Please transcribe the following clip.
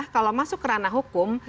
kalau masuk kerana hukum